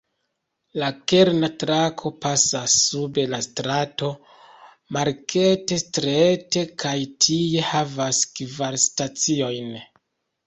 La kerna trako pasas sub la strato "Market Street" kaj tie havas kvar staciojn.